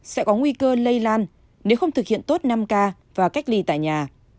sẽ có nguy cơ lây lan nếu không thực hiện tốt năm k và cách ly tại nhà